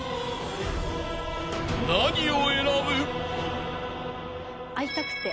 ［何を選ぶ？］